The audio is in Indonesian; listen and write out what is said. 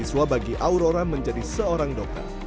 siswa bagi aurora menjadi seorang dokter